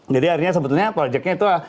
jadi akhirnya sebetulnya projeknya itu